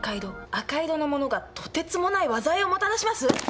赤色のものがとてつもない災いをもたらします」？